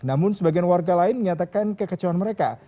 namun sebagian warga lain menyatakan kekecewaan mereka